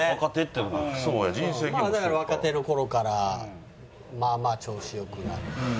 まあだから若手の頃からまあまあ調子良くなって。